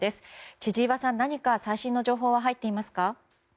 千々岩さん、何か最新の情報は入っていますか。